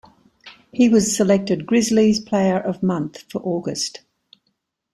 He was selected Grizzlies' Player of Month for August.